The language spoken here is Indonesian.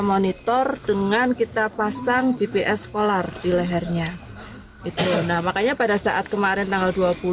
monitor dengan kita pasang gps kolar di lehernya itu nah makanya pada saat kemarin tanggal dua puluh